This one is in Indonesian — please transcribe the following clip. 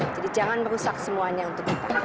jadi jangan merusak semuanya untuk kita